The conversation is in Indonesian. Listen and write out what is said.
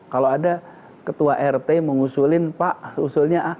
kalau ada ketua rt mengusulin pak usulnya a